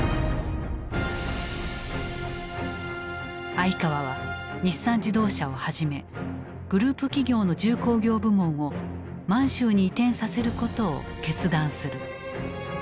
鮎川は日産自動車をはじめグループ企業の重工業部門を満州に移転させることを決断する。